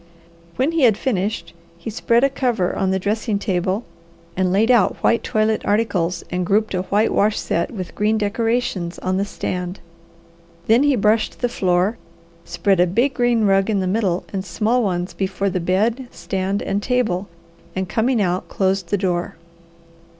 When he had finished, he spread a cover on the dressing table and laid out white toilet articles and grouped a white wash set with green decorations on the stand. Then he brushed the floor, spread a big green rug in the middle and small ones before the bed, stand, and table, and coming out closed the door.